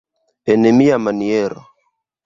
En mia maniero.